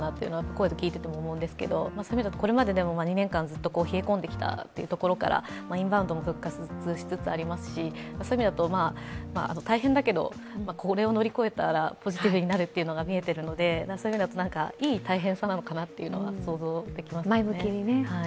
声で聞いていても思うんですけど、これまで２年間ずっと、冷え込んできたというところから、インバウンドも復活しつつありますし、大変だけど、これを乗り越えたらポジティブになるというのは見えているので、そういう意味だと、いい大変さなのかなというのが、想像できますね。